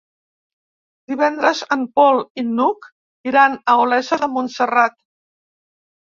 Divendres en Pol i n'Hug iran a Olesa de Montserrat.